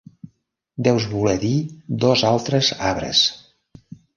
Deus voler dir dos altres arbres.